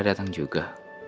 bella datang juga